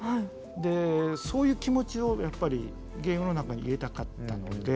でそういう気持ちをやっぱりゲームの中に入れたかったので。